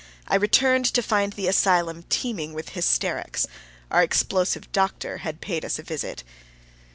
I returned to find the asylum teeming with hysterics. Our explosive doctor had paid us a visit.